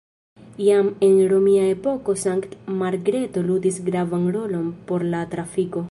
Jam en romia epoko Sankt-Margreto ludis gravan rolon por la trafiko.